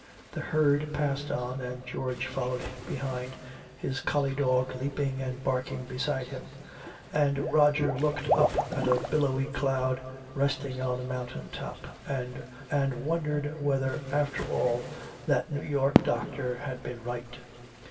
The herd passed on and George followed behind, his collie dog leaping and barking beside him. And Roger looked up at a billowy cloud resting on a mountain top and wondered whether after all that New York doctor had been right.